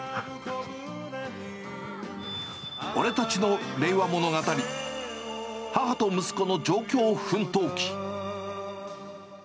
俺たちの令和物語、母と息子の上京奮闘記。